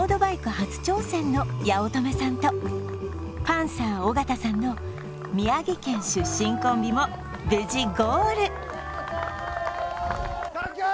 初挑戦の八乙女さんとパンサー・尾形さんの宮城県出身コンビも無事ゴールサンキュー！